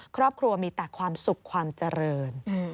ครอบครัวมีแต่ความสุขความเจริญ